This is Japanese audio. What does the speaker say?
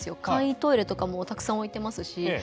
簡易トイレとかもたくさん置いてますし。